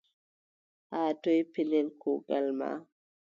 Haa toy pellel kuugal ma ?